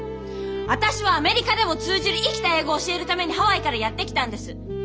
私はアメリカでも通じる生きた英語を教えるためにハワイからやって来たんです。